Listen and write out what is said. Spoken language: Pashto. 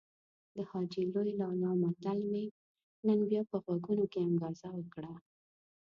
د حاجي لوی لالا متل مې نن بيا په غوږونو کې انګازه وکړه.